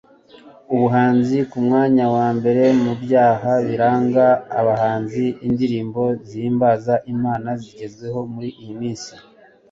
Ubusambanyi ku mwanya wa mbere mu byaha biranga abahanzi indirimbo zihimbaza Imana zigezweho muri iyi minsi